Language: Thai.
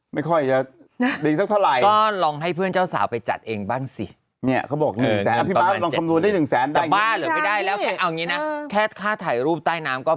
หมดและไม่มีสิทธิ์แล้วมันก็ต้องเหล็กหลัก๓๐๐๐๐๔๐๐๐๐อ่ะ